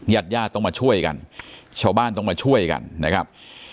ญาติญาติต้องมาช่วยกันชาวบ้านต้องมาช่วยกันนะครับ